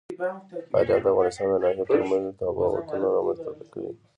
فاریاب د افغانستان د ناحیو ترمنځ تفاوتونه رامنځ ته کوي.